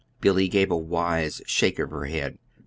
Billy gave a wise shake of her head.